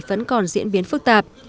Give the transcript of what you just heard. vẫn còn diễn biến phức tạp